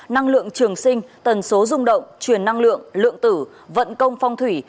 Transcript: năng lượng trường sinh tần số rung động truyền năng lượng lượng tử vận công phong thủy